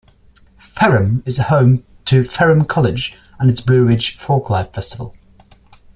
Ferrum is home to Ferrum College and its Blue Ridge Folklife Festival.